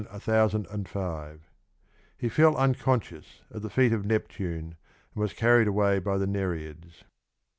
1005) He fell unconscious at the feet of Neptune, and was carried away by the Nereids.